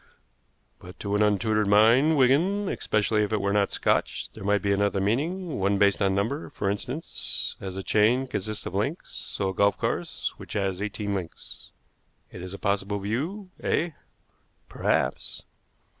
"But to an untutored mind, Wigan, especially if it were not Scotch, there might be another meaning, one based on number, for instance. As a chain consists of links, so a golf course, which has eighteen links. It is a possible view, eh?" "Perhaps."